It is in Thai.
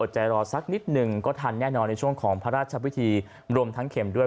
ใจรอสักนิดหนึ่งก็ทันแน่นอนในช่วงของพระราชพิธีรวมทั้งเข็มด้วย